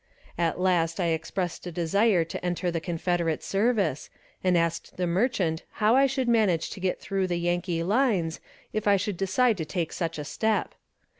At last I expressed a desire to enter the Confederate service, and asked the merchant how I should manage to get through the Yankee lines if I should decide to take such a step.